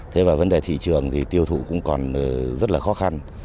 thế và vấn đề thị trường thì tiêu thụ cũng còn rất là khó khăn